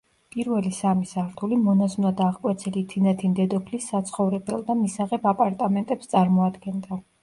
პირველი სამი სართული მონაზვნად აღკვეცილი თინათინ დედოფლის საცხოვრებელ და მისაღებ აპარტამენტებს წარმოადგენდა.